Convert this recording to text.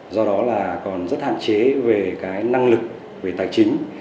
do đó còn rất hạn chế về năng lực về tài chính